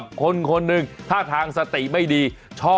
เบิร์ตลมเสียโอ้โห